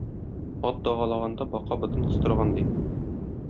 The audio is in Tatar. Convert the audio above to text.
Ат дагалаганда бака ботын кыстырган ди.